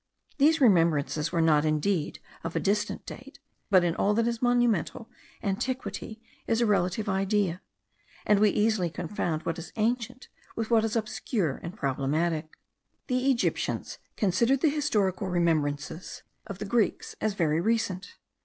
These remembrances were not indeed of a distant date; but in all that is monumental antiquity is a relative idea, and we easily confound what is ancient with what is obscure and problematic. The Egyptians considered the historical remembrances of the Greeks as very recent.